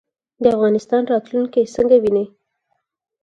د افغانستان راتلونکی څنګه وینئ؟